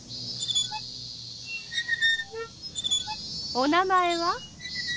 お名前は？